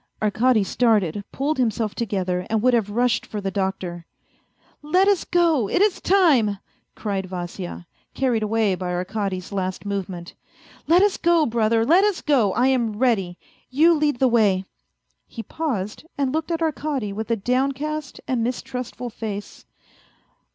Arkady started, pulled himself to gether and would have rushed for the doctor. " Let us go, it is time," cried Vasya. carried away by Arkady's last movement. " Let us go, brother, let us go ; I am ready. You lead the way/' He paused and looked at Arkady with a downcast and mistrustful face.